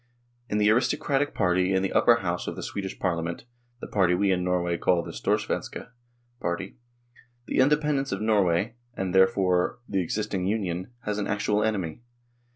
In the aristocratic party in the Upper House of the Swedish Parliament the party we in Norway call the " Storsvenske " Party the independence of Norway, and, therefore, the existing union, has an actual enemy.